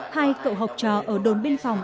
hai cậu học trò ở đồn biên phòng